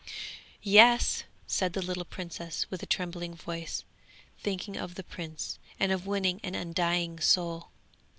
'Yes!' said the little princess with a trembling voice, thinking of the prince and of winning an undying soul.